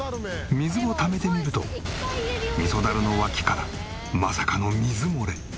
水をためてみると味噌だるの脇からまさかの水漏れ。